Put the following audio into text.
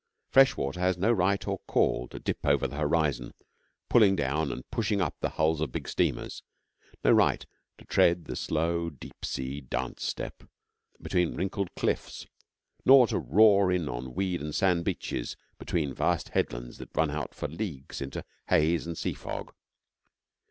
Fresh water has no right or call to dip over the horizon, pulling down and pushing up the hulls of big steamers; no right to tread the slow, deep sea dance step between wrinkled cliffs; nor to roar in on weed and sand beaches between vast headlands that run out for leagues into haze and sea fog.